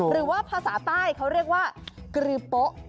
หรือว่าภาษาใต้เขาเรียกว่ากรือโป๊ะ